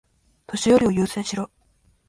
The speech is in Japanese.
年寄りを優先しろ。